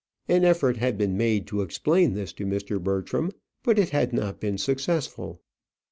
An effort had been made to explain this to Mr. Bertram, but it had not been successful.